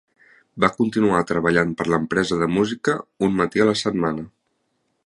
Va continuar treballant per l'empresa de música un matí a la setmana.